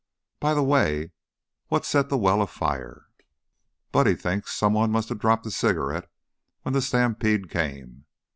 By the way, what set the well afire?" "Buddy thinks somebody must have dropped a cigarette when the stampede came."